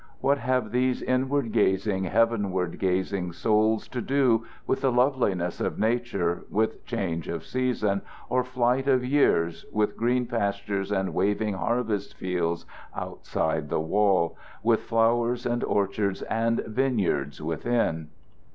What have these inward gazing, heavenward gazing souls to do with the loveliness of Nature, with change of season, or flight of years, with green pastures and waving harvest fields outside the wall, with flowers and orchards and vineyards within?